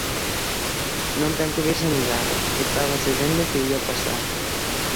Non ten que vir Sanidade, estábase vendo que ía pasar.